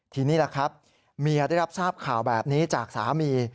ทีนี้ล่ะครับเมียได้รับทราบข่าวแบบนี้จากสามี